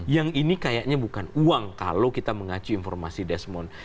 yang ini kayaknya bukan uang kalau kita mengacu informasi desmond